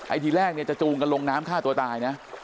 ไอ้ที่แรกจะจูงกับโรงน้ำฆ่าตัวตายนะ